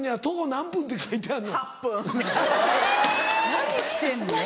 何してんの？